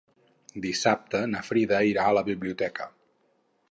Dissabte na Frida irà a la biblioteca.